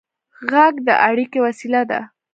غږ د اړیکې وسیله ده.